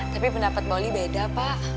tapi pendapat mbak oli beda pak